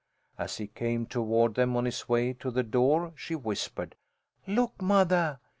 As he came toward them on his way to the door, she whispered, "Look, mothah!